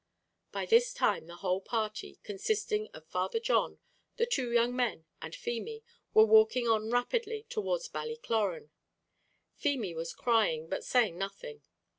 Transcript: By this time the whole party, consisting of Father John, the two young men, and Feemy, were walking on rapidly towards Ballycloran. Feemy was crying, but saying nothing.